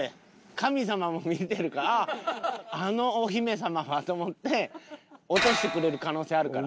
神様も見てるからあああのお姫様はと思って落としてくれる可能性あるから。